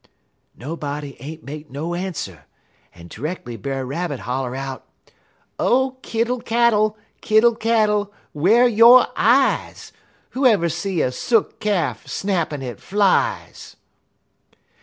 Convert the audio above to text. "Nobody ain't make no answer, en terreckerly Brer Rabbit holler out: "'_O kittle cattle, kittle cattle, whar yo' eyes? Who ever see a Sook Calf snappin' at flies?